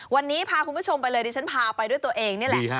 วันนี้พาคุณผู้ชมไปเลยดิฉันพาไปด้วยตัวเองนี่แหละ